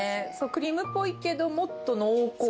クリームっぽいけどもっと濃厚。